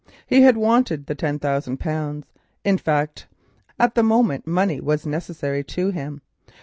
He had wanted the ten thousand pounds, in fact at the moment money was necessary to him.